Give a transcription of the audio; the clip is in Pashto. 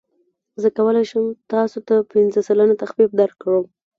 زه کولی شم تاسو ته پنځه سلنه تخفیف درکړم.